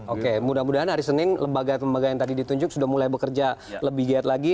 oke mudah mudahan hari senin lembaga lembaga yang tadi ditunjuk sudah mulai bekerja lebih giat lagi